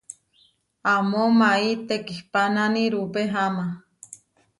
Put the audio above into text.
Amó maʼí tekihpánani rupeháma.